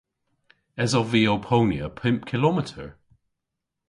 Esov vy ow ponya pymp kilometer?